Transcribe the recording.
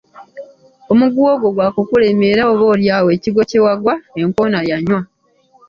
Omuguwa ogwo gwa kukulema era oba olyawo ekigwo kye wagwa enkoona yanywa.